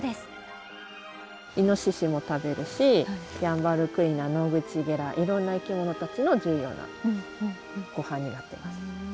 イノシシも食べるしヤンバルクイナノグチゲラいろんな生き物たちの重要なごはんになってます。